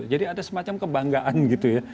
jadi ada semacam kebanggaan gitu ya